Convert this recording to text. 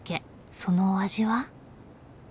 そのお味は。